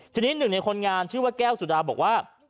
ทีนี้หนึ่งในคนงานชื่อว่าแก้วสุดาบอกว่า